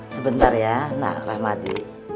sebenar ya nah rahmadi